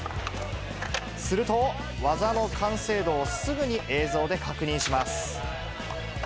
すると、技の完成度をすぐに映像で確認します。